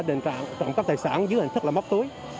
đền trọ trộm cắp tài sản dưới hình thức là móc túi